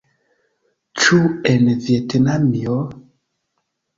Ĉu en Vjetnamio?